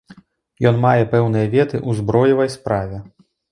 Ён мае пэўныя веды ў зброевай справе.